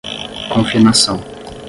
confinação